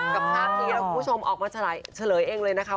กับภาพที่เราคุณผู้ชมออกมาเฉลยเองเลยนะคะ